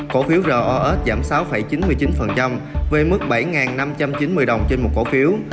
cổ phiếu ros giảm sáu chín mươi chín về mức bảy năm trăm chín mươi đồng trên một cổ phiếu